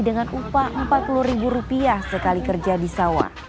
dengan upah rp empat puluh sekali kerjaan